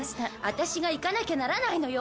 私が行かなきゃならないのよ。